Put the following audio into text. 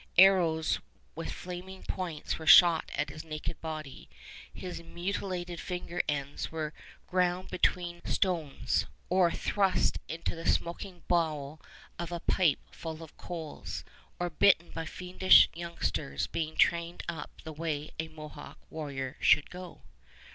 Arrows with flaming points were shot at his naked body. His mutilated finger ends were ground between stones, or thrust into the smoking bowl of a pipe full of coals, or bitten by fiendish youngsters being trained up the way a Mohawk warrior should go.